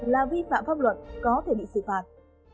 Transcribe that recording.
là vi phạm pháp luật có thể bị xử phạt